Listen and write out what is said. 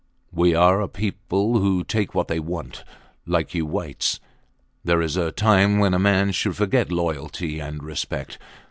... We are of a people who take what they want like you whites. There is a time when a man should forget loyalty and respect.